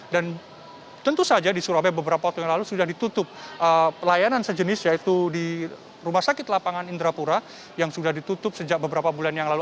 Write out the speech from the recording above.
dan tentu saja di surabaya beberapa waktu yang lalu sudah ditutup pelayanan sejenis yaitu di rumah sakit lapangan indrapura yang sudah ditutup sejak beberapa bulan yang lalu